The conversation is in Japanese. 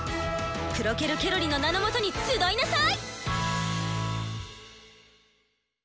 クロケル・ケロリの名のもとに集いなさい！